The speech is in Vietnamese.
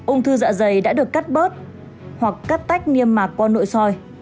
ông thư dạ dày đã được cắt bớt hoặc cắt tách niêm mạc qua nội soi